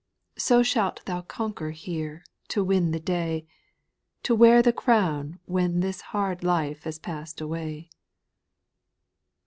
So shalt thou conquer here, to win the day, To wear the crown when this hard life has passed away.